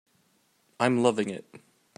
I'm loving it.